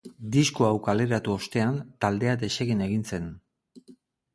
Disko hau kaleratu ostean taldea desegin egin zen.